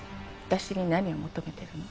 私に何を求めてるの？